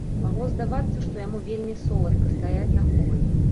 Магло здавацца, што яму вельмі соладка стаяць на холадзе.